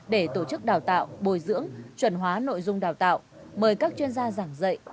để tổ chức đào tạo bồi dưỡng chuẩn hóa nội dung đào tạo mời các chuyên gia giảng dạy